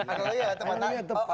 oh iya teman teman